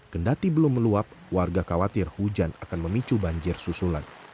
kendati belum meluap warga khawatir hujan akan memicu banjir susulan